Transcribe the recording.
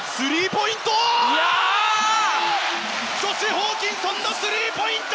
ホーキンソン、スリーポイント！